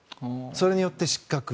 それによって失格。